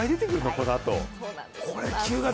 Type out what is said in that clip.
このあと。